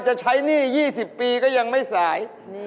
จะใช้หนี้๒๐ปีก็ยังไม่สาย